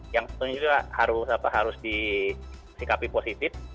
yang tentunya harus disikapi positif